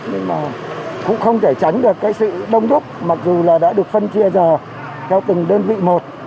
nhưng mà cũng không thể tránh được cái sự đông đúc mặc dù là đã được phân chia giờ theo từng đơn vị một